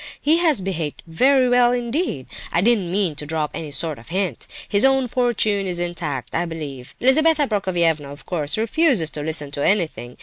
He has behaved very well indeed. I didn't mean to drop any sort of hint. His own fortune is intact, I believe. Lizabetha Prokofievna, of course, refuses to listen to anything.